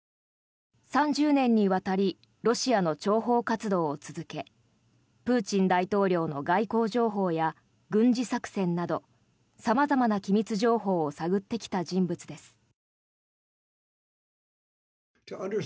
３０年にわたりロシアの諜報活動を続けプーチン大統領の外交情報や軍事作戦など様々な機密情報を探ってきた人物です。